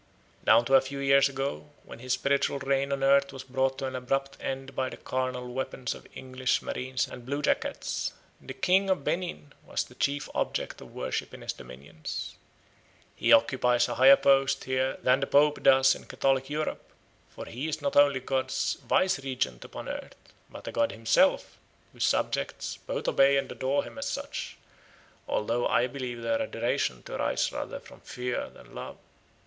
Down to a few years ago, when his spiritual reign on earth was brought to an abrupt end by the carnal weapons of English marines and bluejackets, the king of Benin was the chief object of worship in his dominions. "He occupies a higher post here than the Pope does in Catholic Europe; for he is not only God's vicegerent upon earth, but a god himself, whose subjects both obey and adore him as such, although I believe their adoration to arise rather from fear than love."